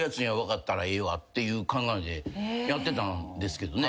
ていう考えでやってたんですけどね。